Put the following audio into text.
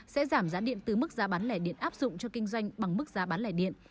sẽ giảm giá điện từ mức giá bán lẻ điện áp dụng cho kinh doanh bằng mức giá bán lẻ điện